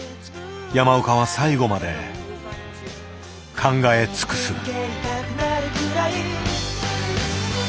山岡は最後まで考え尽くす。